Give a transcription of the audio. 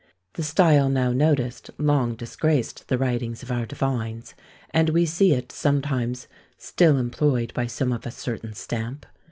The style now noticed long disgraced the writings of our divines; and we see it sometimes still employed by some of a certain stamp.